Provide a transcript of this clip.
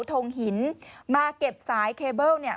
ทงหินมาเก็บสายเคเบิล